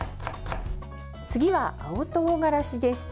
次は青とうがらしです。